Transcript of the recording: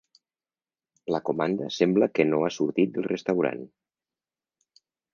La comanda sembla que no ha sortit del restaurant.